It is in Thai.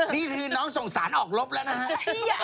นี่คือน้องส่งสารออกลบแล้วนะฮะ